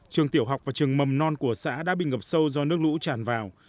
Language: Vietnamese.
trường tiểu học và trường mầm non của xã đã bị ngập sâu do nước lũ tràn vào